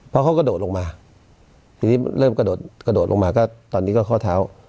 เพราะเขากระโดดลงมาทีนี้เริ่มกระโดดกระโดดลงมาก็ตอนนี้ก็ข้อเท้า